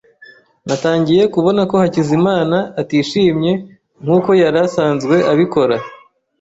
Natangiye kubona ko Hakizimana atishimye nkuko yari asanzwe abikora.